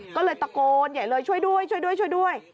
ก็เลยตะโกนใหญ่เลยช่วยด้วยช่วยด้วยช่วยด้วย